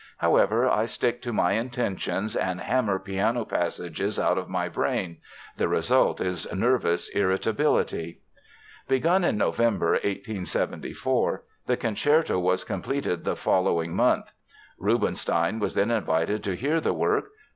However, I stick to my intentions and hammer piano passages out of my brain; the result is nervous irritability." Begun in November, 1874, the concerto was completed the following month. Rubinstein was then invited to hear the work.